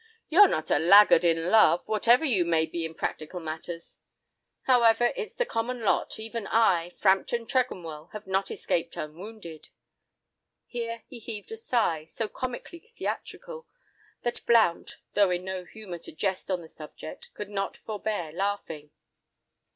"You're not a laggard in love, whatever you may be in practical matters. However, it's the common lot, even I—Frampton Tregonwell—have not escaped unwounded." Here he heaved a sigh, so comically theatrical, that Blount, though in no humour to jest on the subject, could not forbear laughing.